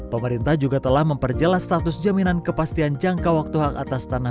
pemerintah juga telah memperjelas status jaminan kepastian jangka waktu hak atas tanah